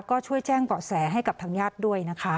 ก็ช่วยแจ้งเบาะแสให้กับทางญาติด้วยนะคะ